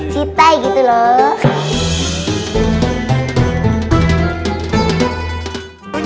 sitai gitu loh